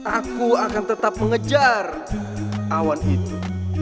aku akan tetap mengejar awan itu